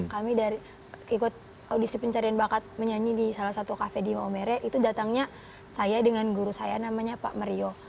kami ikut audisi pencarian bakat menyanyi di salah satu kafe di maumere itu datangnya saya dengan guru saya namanya pak mario